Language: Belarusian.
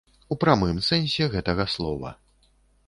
У прамым сэнсе гэтага слова.